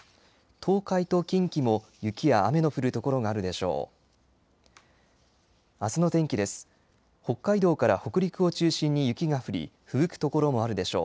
東海と近畿も雪や雨の降る所があるでしょう。